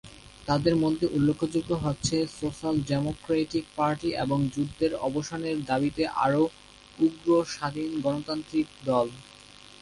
তাদের মধ্যে উল্লেখযোগ্য হচ্ছে সোশাল ডেমোক্র্যাটিক পার্টি এবং যুদ্ধের অবসানের দাবিতে আরও উগ্র স্বাধীন গণতান্ত্রিক দল।